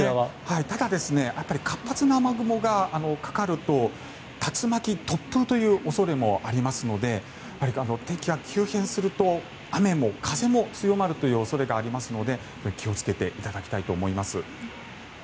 ただ活発な雨雲がかかると竜巻、突風という恐れもありますのでやっぱり天気が急変すると雨も風も強まるという恐れがありますので気を付けていただきたいと思います。